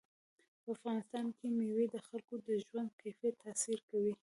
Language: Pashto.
په افغانستان کې مېوې د خلکو د ژوند کیفیت تاثیر کوي.